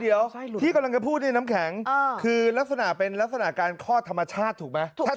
เดี๋ยวที่กำลังจะพูดเนี่ยน้ำแข็งคือลักษณะเป็นลักษณะการคลอดธรรมชาติถูกไหม